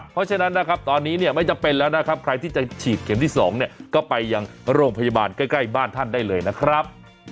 เพราะฉะนั้นตอนนี้ไม่จำเป็นแล้วใครที่จะฉีดเข็มที่๒ก็ไปยังโรงพยาบาลใกล้บ้านท่านได้เลยนะครับ